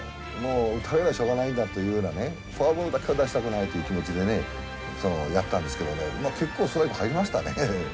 打たれりゃしょうがないんだというようなねフォアボールだけは出したくないという気持ちでねやったんですけどね結構ストライク入りましたね。